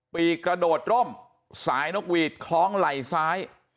ปีกกระโดดร่มสายนกหวีดคล้องไหล่ซ้าย